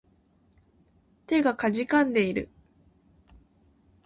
手が悴んでいる